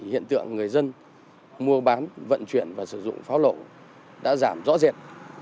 hiện tượng người dân mua bán vận chuyển và sử dụng pháo lậu đã giảm rõ rệt